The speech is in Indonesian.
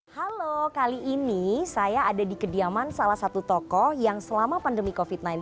halo kali ini saya ada di kediaman salah satu tokoh yang selama pandemi covid sembilan belas